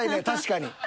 確かに。